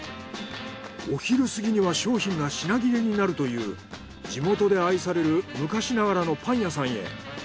お昼すぎには商品が品切れになるという地元で愛される昔ながらのパン屋さんへ。